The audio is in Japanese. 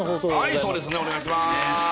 はいそうですねお願いします